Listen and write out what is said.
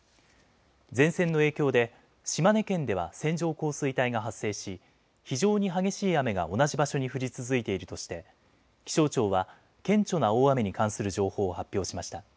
前線の影響で島根県では線状降水帯が発生し非常に激しい雨が同じ場所に降り続いているとして気象庁は顕著な大雨に関する情報を発表しました。